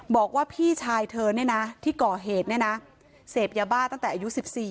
บอกว่าพี่ชายเธอที่ก่อเหตุเสพยาบ้าตั้งแต่อายุ๑๔